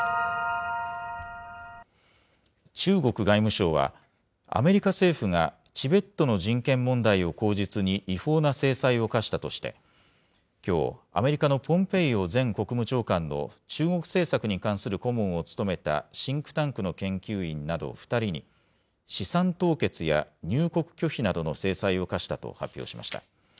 中国外務省は、アメリカ政府がチベットの人権問題を口実に違法な制裁を科したとして、きょう、アメリカのポンペイオ前国務長官の中国政策に関する顧問を務めたシンクタンクの研究員など２人に、資産凍結や入国拒否などの制裁を科したと発表しました。